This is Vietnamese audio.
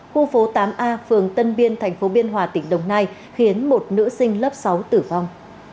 khu phố tám a phường tân biên tp biên hòa tỉnh đồng nai khiến một nữ sinh lớp sáu tử vong